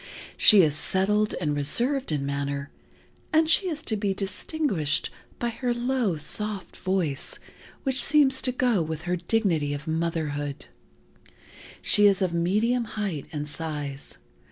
She is settled and reserved in manner, and she is to be distinguished by her low, soft voice which seems to go with her dignity of motherhood. She is of medium height and size.